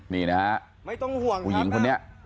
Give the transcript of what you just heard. นี่นะผู้หญิงคนนี้